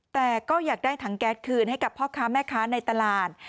แต่ก็อยากได้ถังแก๊สคืนให้กับพ่อค้าแม่ค้าในตลาด